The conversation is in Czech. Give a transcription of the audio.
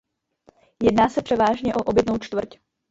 Jedná se převážně o obytnou čtvrť.